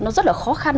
nó rất là khó khăn